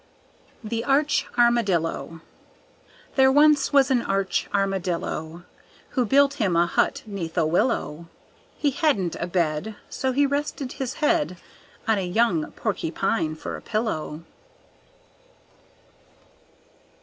The Arch Armadillo There once was an arch Armadillo Who built him a hut 'neath a willow; He hadn't a bed So he rested his head On a young Porcupine for a pillow.